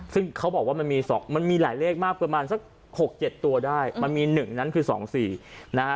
ซึ่งเขาบอกว่ามันมี๒มันมีหลายเลขมากประมาณสัก๖๗ตัวได้มันมี๑นั้นคือ๒๔นะฮะ